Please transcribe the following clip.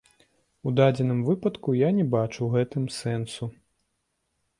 У дадзеным выпадку я не бачу ў гэтым сэнсу.